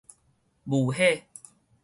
霧火